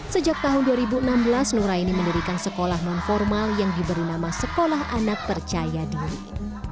sejak tahun dua ribu enam belas nuraini mendirikan sekolah non formal yang diberi nama sekolah anak percaya diri